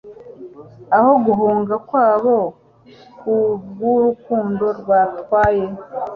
aho guhunga kwabo kubwurukundo rwatwaye